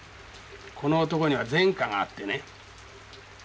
この男には前科があってね。